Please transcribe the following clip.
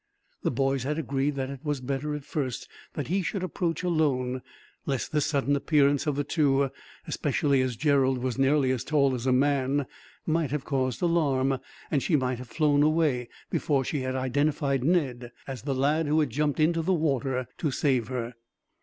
The boys had agreed that it was better, at first, that he should approach alone; lest the sudden appearance of the two, especially as Gerald was nearly as tall as a man, might have caused alarm; and she might have flown away, before she had identified Ned as the lad who had jumped into the water to save her.